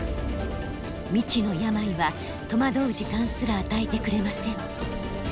未知の病は戸惑う時間すら与えてくれません。